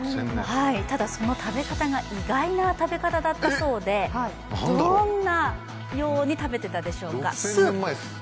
ただ、その食べ方が意外な食べ方だったそうでどんなように食べていたでしょうか？